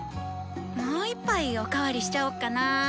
もう１杯お代わりしちゃおっかな。